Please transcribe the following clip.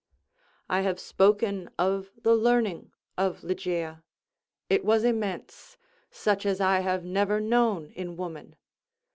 I have spoken of the learning of Ligeia: it was immense—such as I have never known in woman.